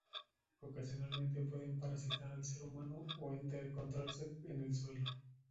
Ocasionalmente pueden parasitar al ser humano o encontrarse en el suelo.